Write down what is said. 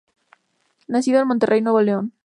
Nacido en Monterrey, Nuevo León.